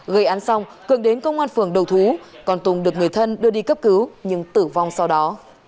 gây án xong cường đến công an phường đầu thú còn tùng được người thân đưa đi cấp cứu nhưng tử vong sau đó